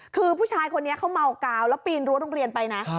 คือผู้ชายคนนี้เขาเมากาวแล้วปีนรั้วโรงเรียนไปนะ